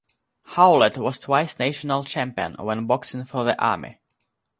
Howlett was twice National Champion when boxing for the Army.